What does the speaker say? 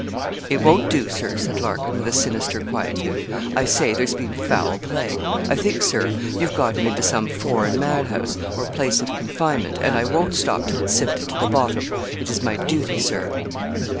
'It won't do, Sir,' said Larkin, with a sinister quietude. 'I say there's been foul play. I think, Sir, you've got him into some foreign mad house, or place of confinement, and I won't stop till it's sifted to the bottom. It is my duty, Sir.'